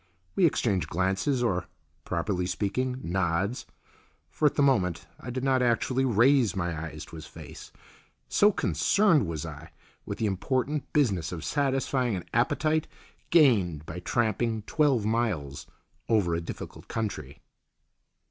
We exchanged glances, or, properly speaking, nods, for at the moment I did not actually raise my eyes to his face, so concerned was I with the important business of satisfying an appetite gained by tramping twelve miles over a difficult country.